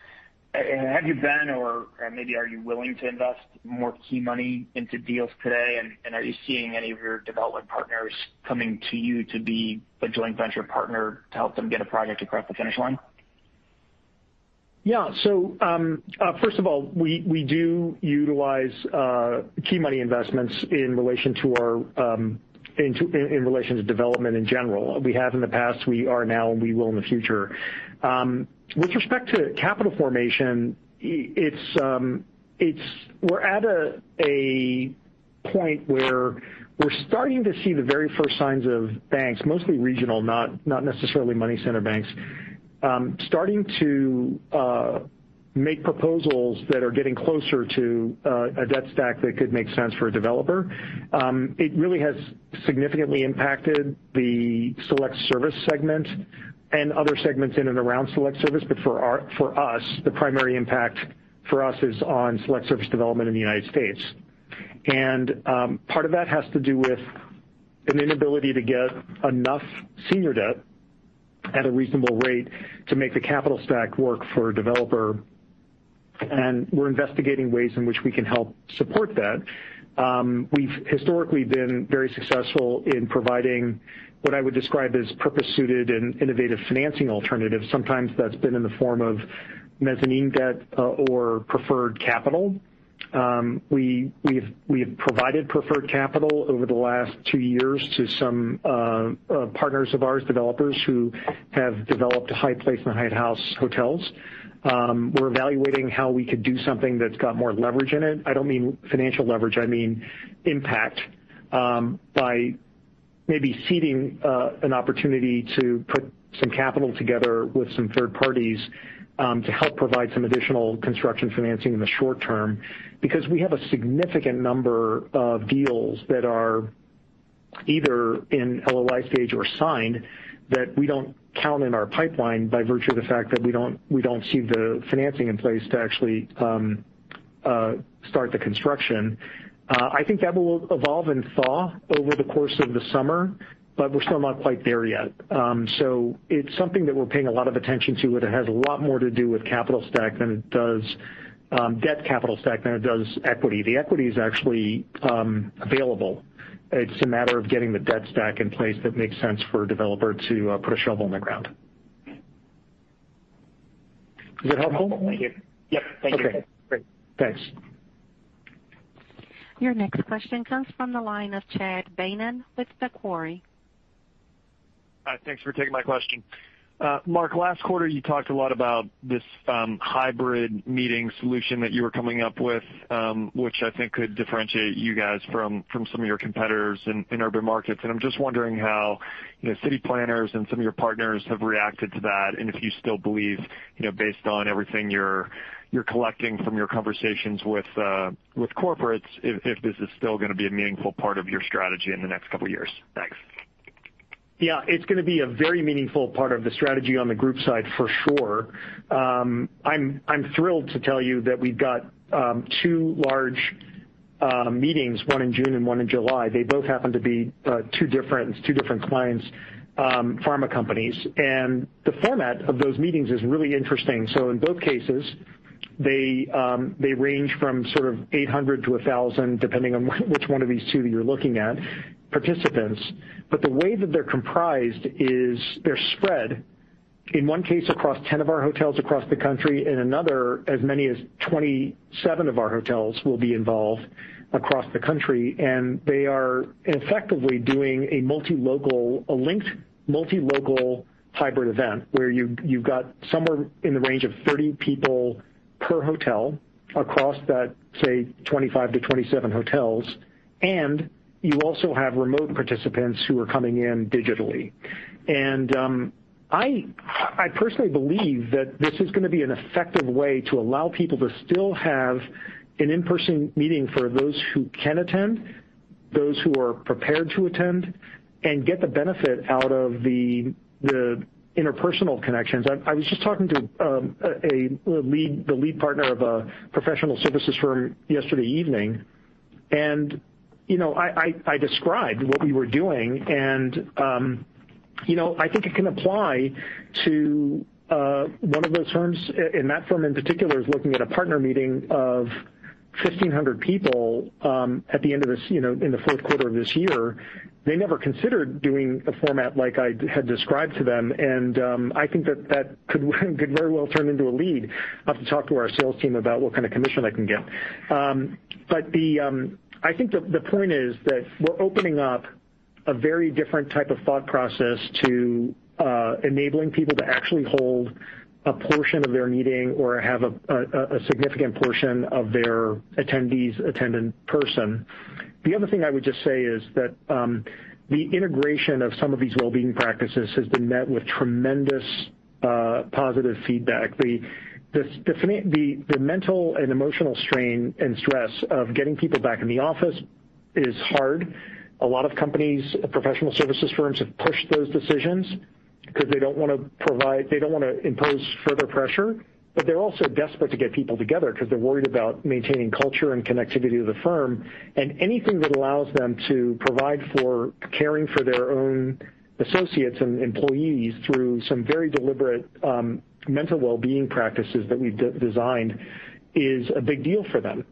Have you been, or maybe are you willing to invest more key money into deals today? Are you seeing any of your development partners coming to you to be a joint venture partner to help them get a project across the finish line? Yeah. First of all, we do utilize key money investments in relation to development in general. We have in the past, we are now, and we will in the future. With respect to capital formation, we're at a point where we're starting to see the very first signs of banks, mostly regional, not necessarily money center banks, starting to make proposals that are getting closer to a debt stack that could make sense for a developer. It really has significantly impacted the select service segment and other segments in and around select service. For us, the primary impact for us is on select service development in the U.S. Part of that has to do with an inability to get enough senior debt at a reasonable rate to make the capital stack work for a developer. We're investigating ways in which we can help support that. We've historically been very successful in providing what I would describe as purpose-suited and innovative financing alternatives. Sometimes that's been in the form of mezzanine debt or preferred capital. We have provided preferred capital over the last two years to some partners of ours, developers who have developed Hyatt Place and Hyatt House hotels. We're evaluating how we could do something that's got more leverage in it. I don't mean financial leverage, I mean impact, by maybe seeding an opportunity to put some capital together with some third parties, to help provide some additional construction financing in the short term, because we have a significant number of deals that are either in LOI stage or signed that we don't count in our pipeline by virtue of the fact that we don't see the financing in place to actually start the construction. I think that will evolve and thaw over the course of the summer, but we're still not quite there yet. It's something that we're paying a lot of attention to, but it has a lot more to do with capital stack than it does debt capital stack than it does equity. The equity is actually available. It's a matter of getting the debt stack in place that makes sense for a developer to put a shovel in the ground. Is that helpful? Yep. Thank you. Okay. Great. Thanks. Your next question comes from the line of Chad Beynon with Macquarie. Thanks for taking my question. Mark, last quarter you talked a lot about this hybrid meeting solution that you were coming up with, which I think could differentiate you guys from some of your competitors in urban markets. I'm just wondering how city planners and some of your partners have reacted to that, and if you still believe, based on everything you're collecting from your conversations with corporates, if this is still going to be a meaningful part of your strategy in the next couple of years. Thanks. Yeah, it's going to be a very meaningful part of the strategy on the group side for sure. I'm thrilled to tell you that we've got two large meetings, one in June and one in July. They both happen to be two different clients, pharma companies. The format of those meetings is really interesting. In both cases, they range from sort of 800 to 1,000, depending on which one of these two that you're looking at, participants. The way that they're comprised is they're spread, in one case, across 10 of our hotels across the country. In another, as many as 27 of our hotels will be involved across the country, and they are effectively doing a linked multi-local hybrid event where you've got somewhere in the range of 30 people per hotel across that, say, 25 to 27 hotels. You also have remote participants who are coming in digitally. I personally believe that this is going to be an effective way to allow people to still have an in-person meeting for those who can attend, those who are prepared to attend, and get the benefit out of the interpersonal connections. I was just talking to the lead partner of a professional services firm yesterday evening, and I described what we were doing, and I think it can apply to one of those firms, and that firm in particular, is looking at a partner meeting of 1,500 people in the fourth quarter of this year. They never considered doing a format like I had described to them, and I think that that could very well turn into a lead. I'll have to talk to our sales team about what kind of commission I can get. I think the point is that we're opening up a very different type of thought process to enabling people to actually hold a portion of their meeting or have a significant portion of their attendees attend in person. The other thing I would just say is that the integration of some of these well-being practices has been met with tremendous positive feedback. The mental and emotional strain and stress of getting people back in the office is hard. A lot of companies, professional services firms, have pushed those decisions because they don't want to impose further pressure, but they're also desperate to get people together because they're worried about maintaining culture and connectivity to the firm. Anything that allows them to provide for caring for their own associates and employees through some very deliberate mental well-being practices that we've designed is a big deal for them.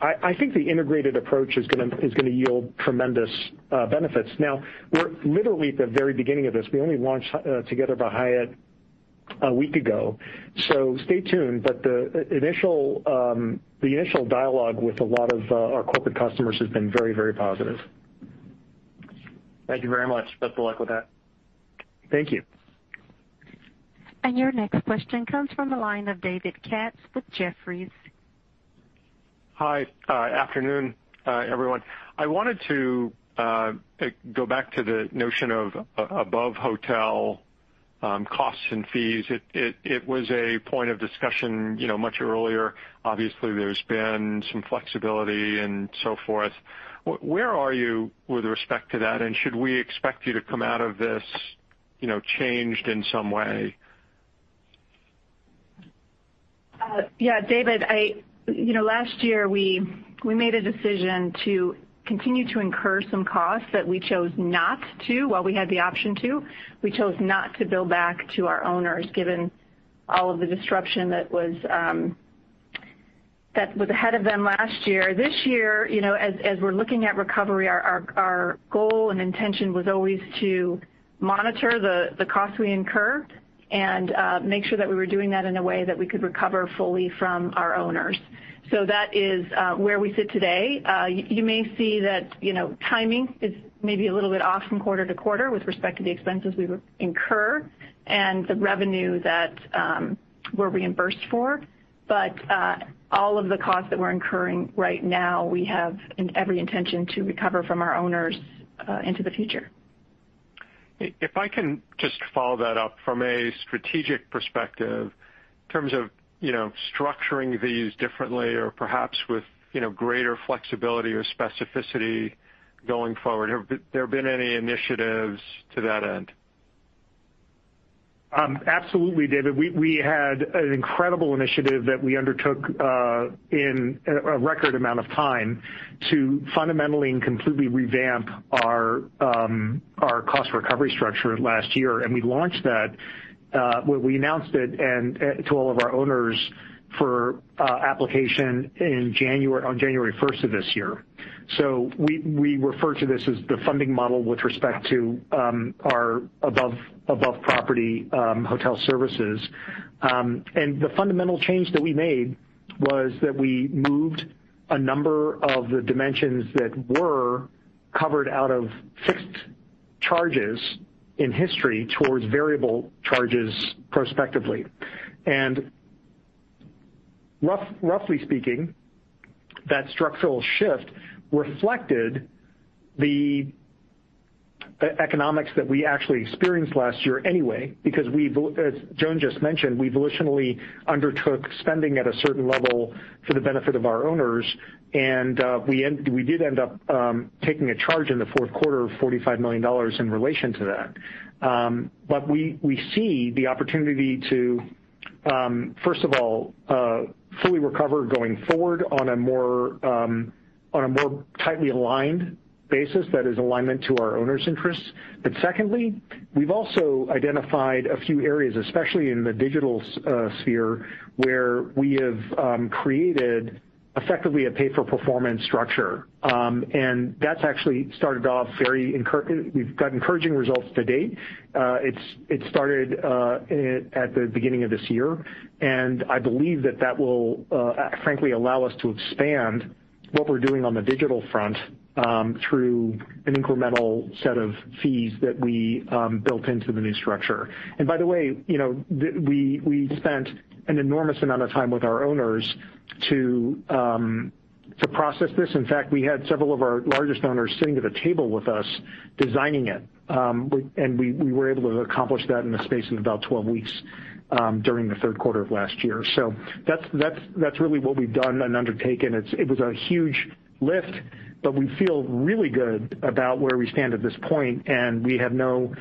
I think the integrated approach is going to yield tremendous benefits. We're literally at the very beginning of this. We only launched Together by Hyatt a week ago, so stay tuned. The initial dialogue with a lot of our corporate customers has been very positive. Thank you very much. Best of luck with that. Thank you. Your next question comes from the line of David Katz with Jefferies. Hi. Afternoon, everyone. I wanted to go back to the notion of above hotel costs and fees. It was a point of discussion much earlier. Obviously, there's been some flexibility and so forth. Where are you with respect to that, and should we expect you to come out of this changed in some way? Yeah, David, last year, we made a decision to continue to incur some costs that we chose not to while we had the option to. We chose not to bill back to our owners given all of the disruption that was ahead of them last year. This year, as we're looking at recovery, our goal and intention was always to monitor the cost we incur and make sure that we were doing that in a way that we could recover fully from our owners. That is where we sit today. You may see that timing is maybe a little bit off from quarter to quarter with respect to the expenses we incur and the revenue that we're reimbursed for. All of the costs that we're incurring right now, we have every intention to recover from our owners into the future. If I can just follow that up from a strategic perspective in terms of structuring these differently or perhaps with greater flexibility or specificity going forward. Have there been any initiatives to that end? Absolutely, David. We had an incredible initiative that we undertook in a record amount of time to fundamentally and completely revamp our cost recovery structure last year, and we announced it to all of our owners for application on January 1st of this year. We refer to this as the funding model with respect to our above property hotel services. The fundamental change that we made was that we moved a number of the dimensions that were covered out of fixed charges in history towards variable charges prospectively. Roughly speaking, that structural shift reflected the economics that we actually experienced last year anyway, because as Joan just mentioned, we volitionally undertook spending at a certain level for the benefit of our owners, and we did end up taking a charge in the fourth quarter of $45 million in relation to that. We see the opportunity to first of all fully recover going forward on a more tightly aligned basis that is alignment to our owners' interests. Secondly, we've also identified a few areas, especially in the digital sphere, where we have created effectively a pay-for-performance structure. That's actually started off very. We've got encouraging results to date. It started at the beginning of this year, and I believe that that will frankly allow us to expand what we're doing on the digital front through an incremental set of fees that we built into the new structure. By the way, we spent an enormous amount of time with our owners to process this. In fact, we had several of our largest owners sitting at a table with us designing it. We were able to accomplish that in the space of about 12 weeks during the third quarter of last year. That's really what we've done and undertaken. It was a huge lift, but we feel really good about where we stand at this point, and we have no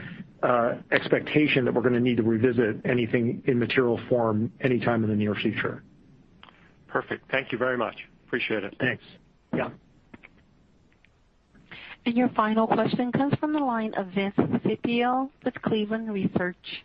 expectation that we're going to need to revisit anything in material form anytime in the near future. Perfect. Thank you very much. Appreciate it. Thanks. Yeah. Your final question comes from the line of Vince Ciepiel with Cleveland Research.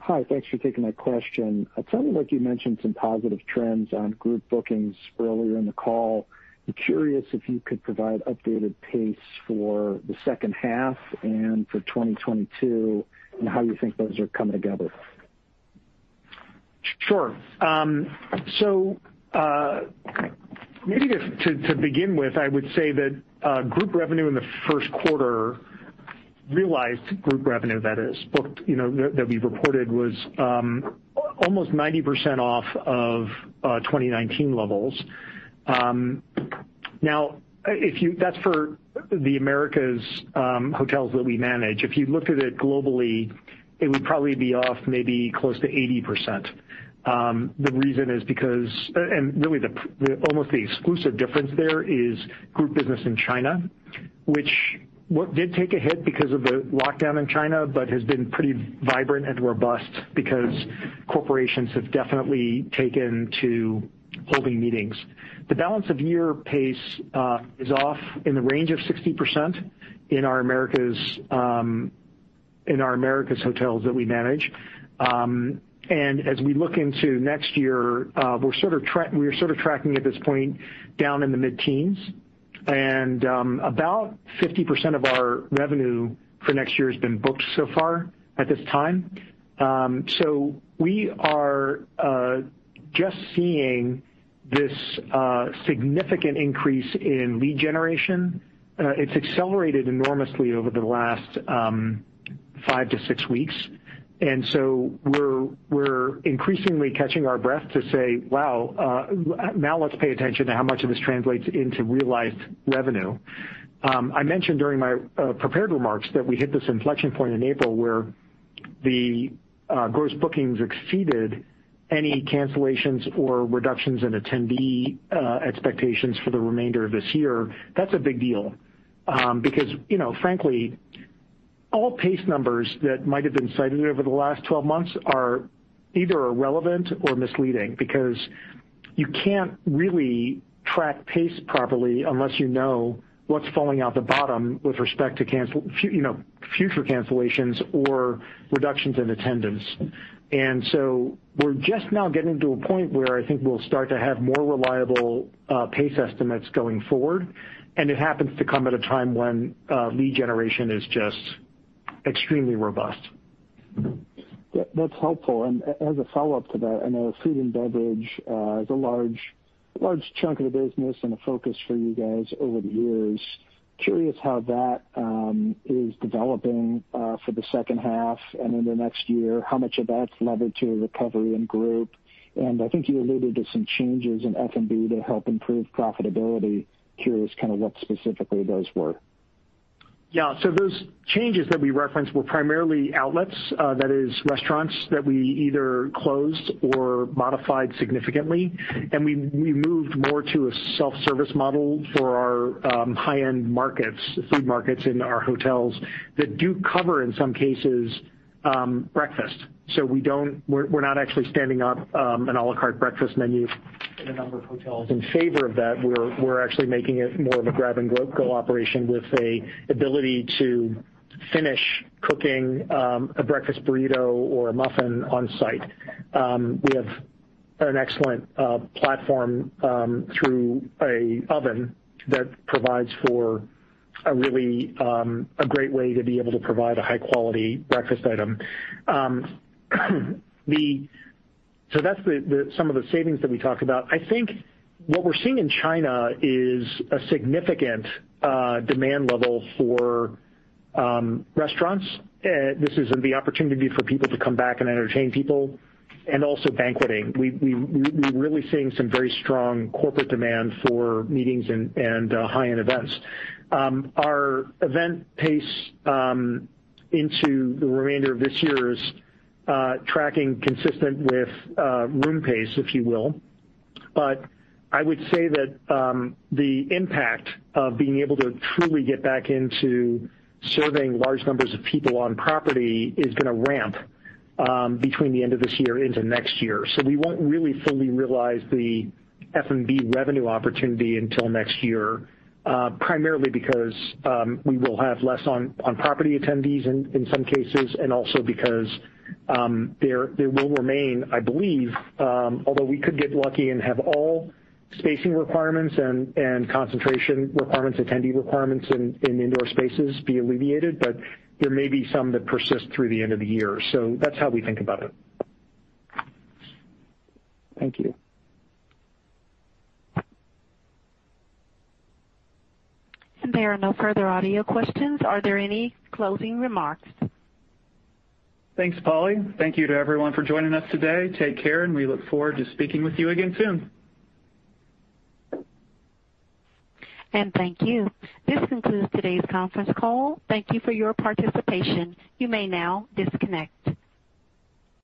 Hi, thanks for taking my question. It sounded like you mentioned some positive trends on group bookings earlier in the call. I'm curious if you could provide updated pace for the second half and for 2022, and how you think those are coming together. Sure. Maybe to begin with, I would say that group revenue in the first quarter, realized group revenue that is, booked, that we reported was almost 90% off of 2019 levels. That's for the Americas hotels that we manage. If you looked at it globally, it would probably be off maybe close to 80%. The reason is and really almost the exclusive difference there is group business in China, which did take a hit because of the lockdown in China, but has been pretty vibrant and robust because corporations have definitely taken to holding meetings. The balance of year pace is off in the range of 60% in our Americas hotels that we manage. As we look into next year, we're sort of tracking at this point down in the mid-teens, and about 50% of our revenue for next year has been booked so far at this time. We are just seeing this significant increase in lead generation. It's accelerated enormously over the last five to six weeks, we're increasingly catching our breath to say, "Wow. Now let's pay attention to how much of this translates into realized revenue." I mentioned during my prepared remarks that we hit this inflection point in April where the gross bookings exceeded any cancellations or reductions in attendee expectations for the remainder of this year. That's a big deal because frankly, all pace numbers that might have been cited over the last 12 months are either irrelevant or misleading because you can't really track pace properly unless you know what's falling out the bottom with respect to future cancellations or reductions in attendance. We're just now getting to a point where I think we'll start to have more reliable pace estimates going forward, and it happens to come at a time when lead generation is just extremely robust. That's helpful. As a follow-up to that, I know food and beverage is a large chunk of the business and a focus for you guys over the years. Curious how that is developing for the second half and into next year, how much of that's levered to recovery in group. I think you alluded to some changes in F&B to help improve profitability. Curious kind of what specifically those were. Yeah. Those changes that we referenced were primarily outlets, that is restaurants that we either closed or modified significantly. We moved more to a self-service model for our high-end markets, food markets in our hotels that do cover, in some cases, breakfast. We're not actually standing up an à la carte breakfast menu in a number of hotels. In favor of that, we're actually making it more of a grab-and-go operation with an ability to finish cooking a breakfast burrito or a muffin on site. We have an excellent platform through an oven that provides for a great way to be able to provide a high-quality breakfast item. That's some of the savings that we talked about. I think what we're seeing in China is a significant demand level for restaurants. This is the opportunity for people to come back and entertain people, and also banqueting. We're really seeing some very strong corporate demand for meetings and high-end events. Our event pace into the remainder of this year is tracking consistent with room pace, if you will. I would say that the impact of being able to truly get back into serving large numbers of people on property is going to ramp between the end of this year into next year. We won't really fully realize the F&B revenue opportunity until next year. Primarily because we will have less on-property attendees in some cases, and also because there will remain, I believe, although we could get lucky and have all spacing requirements and concentration requirements, attendee requirements in indoor spaces be alleviated, but there may be some that persist through the end of the year. That's how we think about it. Thank you. There are no further audio questions. Are there any closing remarks? Thanks, Polly. Thank you to everyone for joining us today. Take care, and we look forward to speaking with you again soon. Thank you. This concludes today's conference call. Thank you for your participation. You may now disconnect.